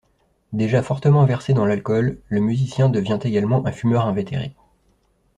Déjà fortement versé dans l'alcool, le musicien devient également un fumeur invétéré.